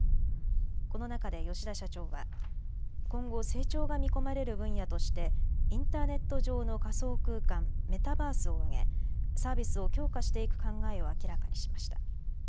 この中で吉田社長は今後、成長が見込まれる分野としてインターネット上の仮想空間、メタバースを挙げサービスを強化していく考えを明らかにしました。